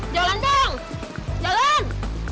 jalan dong jalan